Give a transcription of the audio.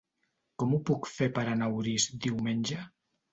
Com ho puc fer per anar a Orís diumenge?